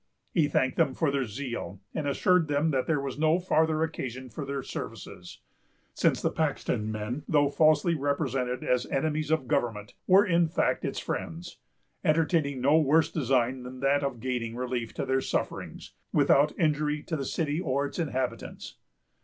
He thanked them for their zeal, and assured them there was no farther occasion for their services; since the Paxton men, though falsely represented as enemies of government, were in fact its friends, entertaining no worse design than that of gaining relief to their sufferings, without injury to the city or its inhabitants.